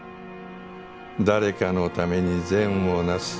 誰かのために善を成す。